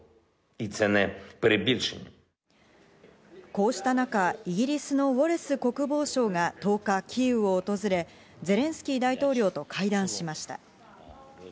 こうした中、イギリスのウォレス国防相が１０日、キーウを訪れ、ゼレンスキー大統領と会談しました。